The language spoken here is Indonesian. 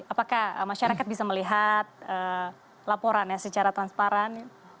apakah masyarakat bisa melihat laporannya secara transparan